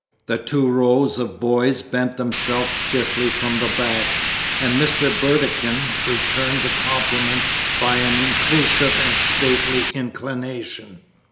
The two rows of boys bent themselves stiffly from the back, and Mr. Burdekin returned the compliment by an inclusive and stately inclination.